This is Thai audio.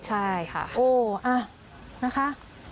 ใช่ค่ะโอ้นะคะ